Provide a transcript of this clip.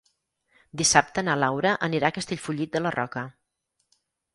Dissabte na Laura anirà a Castellfollit de la Roca.